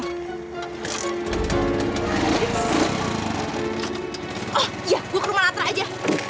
oh iya gue ke rumah latra aja